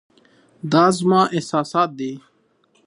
دا زما احساسات دي .